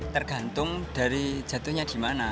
tergantung dari jatuhnya di mana